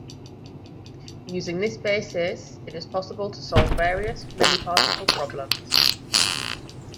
Using this basis, it is possible to solve various many-particle problems.